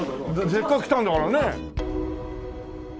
せっかく来たんだからね。